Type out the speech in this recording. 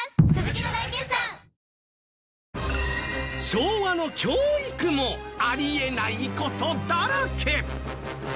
昭和の教育もあり得ない事だらけ。